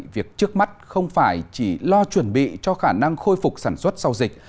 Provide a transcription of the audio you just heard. việc trước mắt không phải chỉ lo chuẩn bị cho khả năng khôi phục sản xuất sau dịch